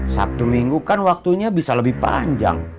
sabtu minggu kan waktunya bisa lebih panjang